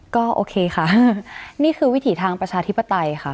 ก็โอเคค่ะนี่คือวิถีทางประชาธิปไตยค่ะ